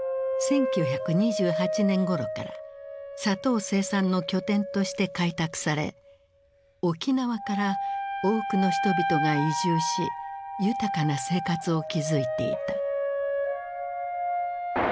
１９２８年ごろから砂糖生産の拠点として開拓され沖縄から多くの人々が移住し豊かな生活を築いていた。